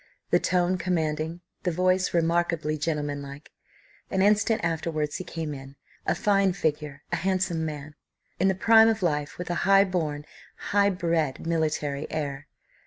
The tone commanding, the voice remarkably gentlemanlike. An instant afterwards he came in. A fine figure, a handsome man; in the prime of life; with a high born, high bred military air.